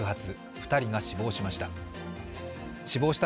２人が死亡しました。